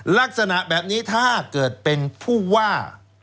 ลักษณะแบบนี้ถ้าเกิดเป็นผู้ว่า